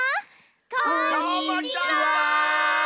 こんにちは！